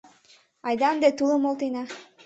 — Айда ынде тулым олтена!